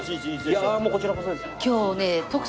いやもうこちらこそです。